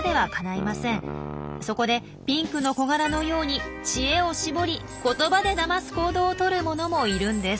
そこでピンクのコガラのように知恵を絞り言葉でだます行動をとるものもいるんです。